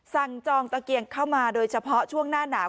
จองตะเกียงเข้ามาโดยเฉพาะช่วงหน้าหนาว